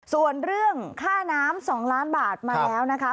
ส่วนเรื่องค่าน้ำ๒ล้านบาทมาแล้วนะคะ